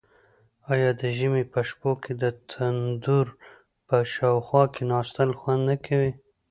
آیا د ژمي په شپو کې د تندور په شاوخوا کیناستل خوند نه کوي؟